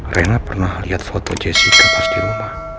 rena pernah liat foto jessica pas dirumah